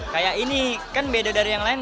kayak ini kan beda dari yang lain